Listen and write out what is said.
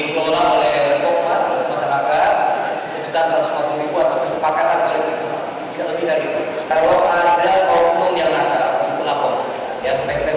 kalau ada kalau memiliki lapor ya supaya kita bisa tertipkan juga